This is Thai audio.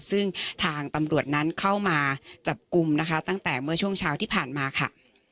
ซึ่งทางตำรวจนั้นเข้ามาจับกลุ่มนะคะตั้งแต่เมื่อช่วงเช้าที่ผ่านมาค่ะ